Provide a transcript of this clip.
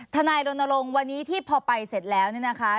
ทนายรณรงค์วันนี้ที่พอไปเสร็จแล้วเนี่ยนะคะ